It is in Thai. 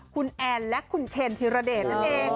คุณแอนและคุณเคนธีรเดชนั่นเอง